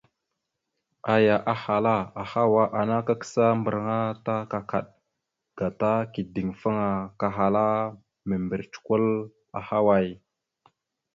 Aya ahala: « Ahawa ana kakǝsa mbarǝŋa ta kakaɗ, gata kideŋfaŋa kahala mimbirec kwal ahaway? ».